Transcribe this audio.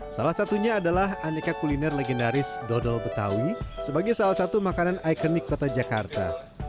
salah satunya adalah aneka kuliner legendaris dodol betawi sebagai salah satu makanan ikonik kota jakarta